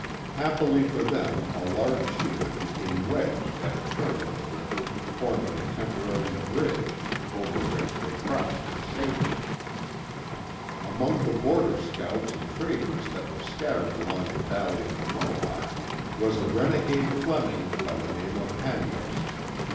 Happily for them a large sheet of it became wedged at a turn of the river forming a temporary bridge, over which they crossed in safety. Among the border scouts and traders that were scattered along the valley of the Mohawk was a renegade Fleming by the name of Hanyost.